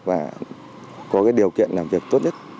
và có điều kiện làm việc tốt nhất